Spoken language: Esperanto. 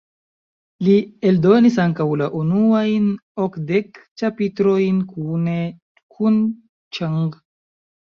Li eldonis ankaŭ la unuajn okdek ĉapitrojn kune kun Ĉeng.